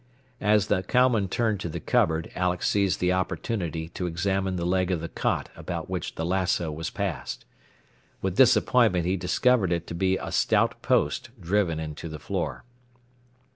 As the cowman turned to the cupboard Alex seized the opportunity to examine the leg of the cot about which the lassoo was passed. With disappointment he discovered it to be a stout post driven into the floor.